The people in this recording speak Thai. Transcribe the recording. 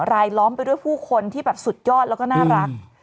ล้อมไปด้วยผู้คนที่แบบสุดยอดแล้วก็น่ารัก